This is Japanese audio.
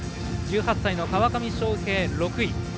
１８歳の川上翔平、６位。